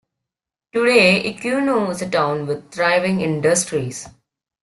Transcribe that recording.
Today, Ikuno is a town with thriving industries.